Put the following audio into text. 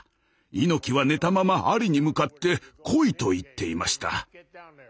猪木は寝たままアリに向かって「来い！」と言っていました。